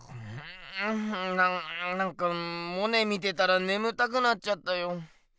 なんかモネ見てたらねむたくなっちゃったよ。